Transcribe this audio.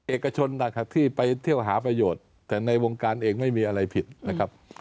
เอกชนนะครับที่ไปเที่ยวหาประโยชน์แต่ในวงการเองไม่มีอะไรผิดนะครับ